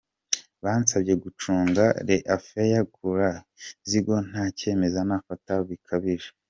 Bansabye gucunga les affaires courantes z’ikigo nta cyemezo nafata ntabajije.